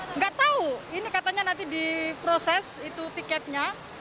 enggak tahu ini katanya nanti diproses itu tiketnya